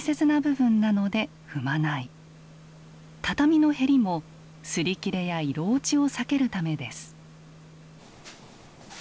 畳の縁もすり切れや色落ちを避けるためです。